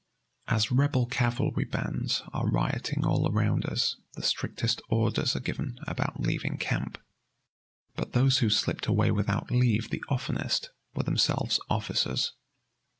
"As Rebel cavalry bands are rioting all around us, the strictest orders are given about leaving camp. But those who slipped away without leave the oftenest were themselves officers.